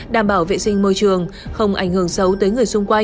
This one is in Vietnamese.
đảm bảo vệ sinh môi trường